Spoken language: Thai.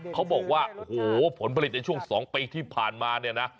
เขาบอกว่าโอ้โหผลผลิตในช่วง๒ปีที่ผ่านมาเนี่ยนะ